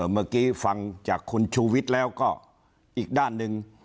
เมื่อกี้ฟังจากคุณชูวิทย์แล้วก็อีกด้านหนึ่ง